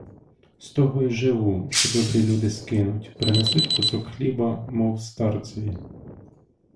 З того й живу, що добрі люди скинуть, принесуть кусок хліба, мов старцеві.